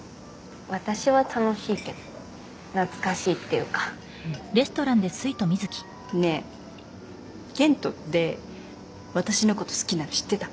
私は楽しいけど懐かしいっていうかねえ健人って私のこと好きなの知ってた？